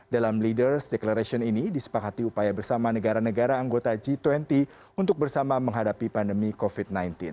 dalam leaders declaration ini disepakati upaya bersama negara negara anggota g dua puluh untuk bersama menghadapi pandemi covid sembilan belas